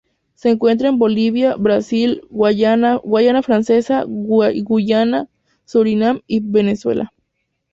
Se encuentra en Bolivia, Brasil, Guayana Francesa, Guyana, Surinam y Venezuela.